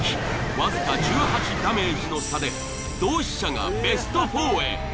わずか１８ダメージの差で同志社がベスト４へ。